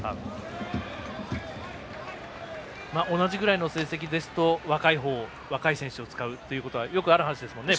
同じぐらいの成績ですと若い方、若い選手を使うことはよくある話ですもんね。